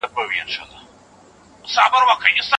که حکومت هڅه وکړي نو په هره سیمه کې به ښوونځي وي.